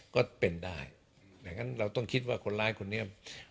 ก็เป็นได้อย่างนั้นเราต้องคิดว่าคนร้ายคนนี้